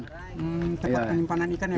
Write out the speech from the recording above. tempat penyimpanan ikan ya